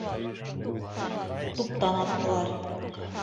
Туптан аттылар.